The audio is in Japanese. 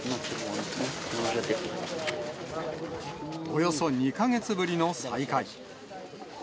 およそ２か月ぶりの再会。